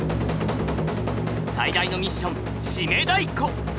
最大のミッション締太鼓。